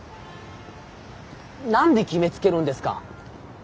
何で決めつけるんですか？